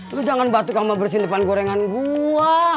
lo jangan batuk sama bersin depan gorengan gue